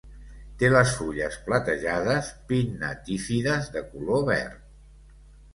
Té les fulles platejades pinnatífides de color verd.